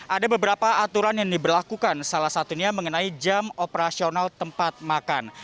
ada beberapa aturan yang diberlakukan salah satunya mengenai jam operasional tempat makan